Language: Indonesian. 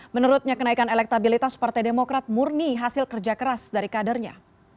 menurutnya kenaikan elektabilitas partai demokrat murni hasil kerja keras dari kadernya